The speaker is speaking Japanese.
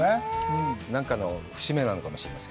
何かの節目なのかもしれません。